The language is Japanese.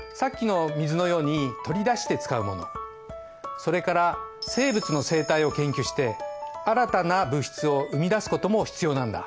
それから生物の生態を研究して新たな物質を生み出すことも必要なんだ。